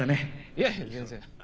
いやいや全然。